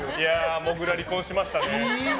もぐら、離婚しましたね。